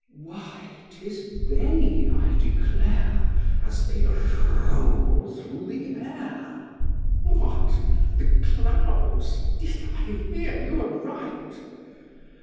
SOCR. Why, 'tis they, I declare, as they roll through the air. STREPS. What the clouds? did I hear you aright?